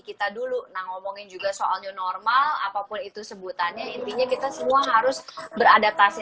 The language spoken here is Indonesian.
kita dulu ngomongin juga soalnya normal apapun itu sebutannya intinya kita semua harus beradaptasi